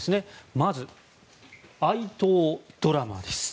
まず、愛党ドラマです。